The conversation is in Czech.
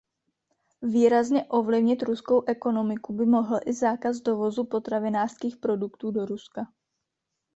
Výrazně ovlivnit ruskou ekonomiku by mohl i zákaz dovozu potravinářských produktů do Ruska.